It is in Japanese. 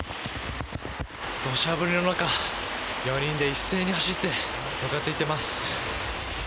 土砂降りの中４人で一斉に走って向かっていっています。